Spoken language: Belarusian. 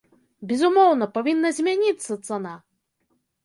Безумоўна, павінна змяніцца цана!